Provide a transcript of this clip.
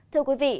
thưa quý vị